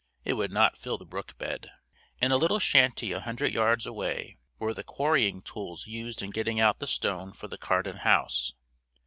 It would not fill the brook bed. In a little shanty a hundred yards away were the quarrying tools used in getting out the stone for the Cardin house.